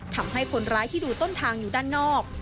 ทำให้คนร้ายที่ดูต้นทางอยู่ด้านนอก